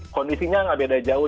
kondisinya nggak beda jauh